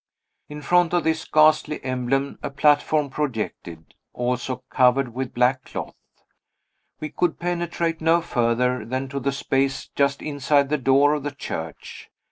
In front of this ghastly emblem a platform projected, also covered with black cloth. We could penetrate no further than to the space just inside the door of the church.